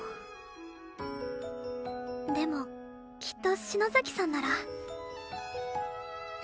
でもきっと篠崎さんなら